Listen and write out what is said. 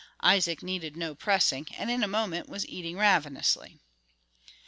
Isaac needed no pressing, and in a moment was eating ravenously.